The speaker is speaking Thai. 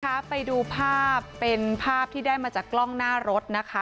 ค่ะไปดูภาพเป็นภาพที่ได้มาจากกล้องหน้ารถนะคะ